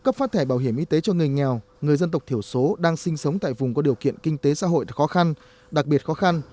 cấp phát thẻ bảo hiểm y tế cho người nghèo người dân tộc thiểu số đang sinh sống tại vùng có điều kiện kinh tế xã hội khó khăn đặc biệt khó khăn